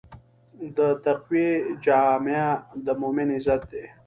د تقوی جامه د مؤمن عزت دی.